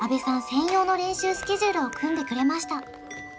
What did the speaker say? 専用の練習スケジュールを組んでくれました